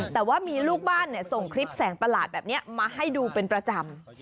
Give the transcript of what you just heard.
แต่ว่ามีลูกบ้านส่งคลิปแสงประหลาดแบบนี้มาให้ดูเป็นประจำ